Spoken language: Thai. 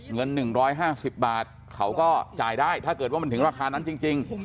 เงิน๑๕๐บาทเขาก็จ่ายได้ถ้าเกิดว่ามันถึงราคานั้นจริง